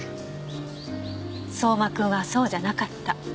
相馬君はそうじゃなかった。